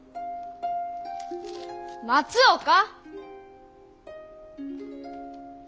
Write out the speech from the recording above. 松岡！